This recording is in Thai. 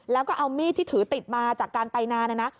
แล้วก็เอามีดที่ถือติดมาจากการไปนานนะนะ